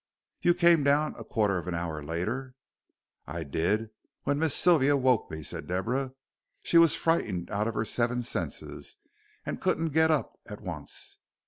"You came down a quarter of an hour later?" "I did, when Miss Sylvia woke me," said Deborah; "she was frightened out of her seven senses, and couldn't get up at once.